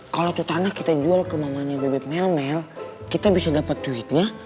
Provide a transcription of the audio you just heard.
kalo itu tanah kita jual ke mamanya bebek melmel kita bisa dapet duitnya